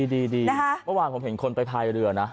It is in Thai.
เมื่อวานผมเห็นคนไปพายเรือนะ